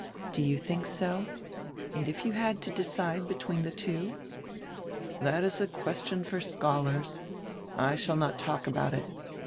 "Do you think so? And if you had to decide between the two" — "That is a question for scholars; I shall not talk about it.